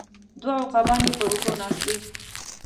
دوه عقابان یې پر اوږو ناست دي